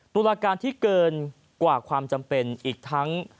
ตุลาการที่เกินกว่าความจำเป็นอีกทั้ง